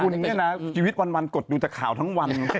คุณเนี่ยนะชีวิตวันกดดูแต่ข่าวทั้งวัน